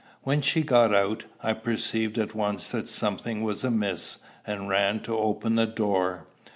When she got out, I perceived at once that something was amiss, and ran to open the door.